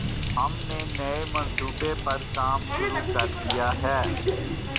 ہم نے نئے منصوبے پر کام شروع کر دیا ہے۔